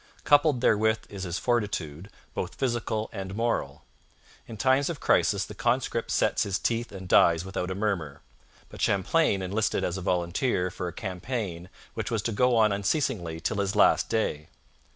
Coupled therewith is his fortitude, both physical and moral. In times of crisis the conscript sets his teeth and dies without a murmur. But Champlain enlisted as a volunteer for a campaign which was to go on unceasingly till his last day.